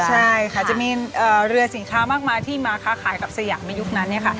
ใช่ค่ะจะมีเรือสินค้ามากมายที่มาค้าขายกับสยามในยุคนั้น